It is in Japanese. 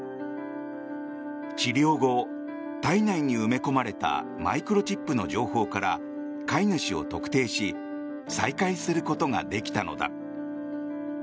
治療後、体内に埋め込まれたマイクロチップの情報から飼い主を特定し再会することができたのだ。